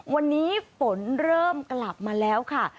วันนี้ฝนเริ่มกลับมาแล้วค่ะ